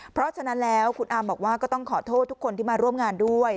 เพราะฉะนั้นแล้วคุณอามบอกว่าก็ต้องขอโทษทุกคนที่มาร่วมงานด้วย